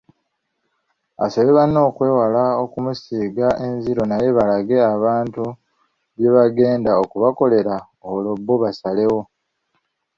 Asabye banne okwewala okumusiiga enziro naye balage abantu bye bagenda okubakolera olwo bo basalewo.